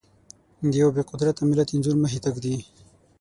د يوه بې قدره ملت انځور مخې ته ږدي.